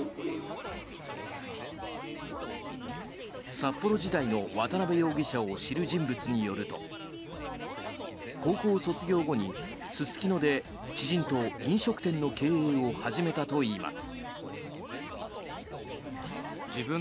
札幌時代の渡邉容疑者を知る人物によると高校卒業後にすすきので知人と飲食店の経営を始めたといいます。